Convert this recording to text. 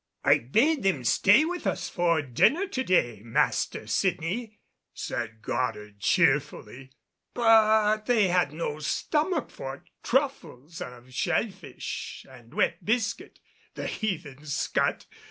"I bade them stay with us for dinner to day, Master Sydney," said Goddard, cheerfully, "but they had no stomach for truffles of shell fish and wet biscuit. The heathen scut!